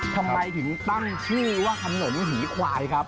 ทำไมถึงตั้งชื่อว่าขนมผีควายครับ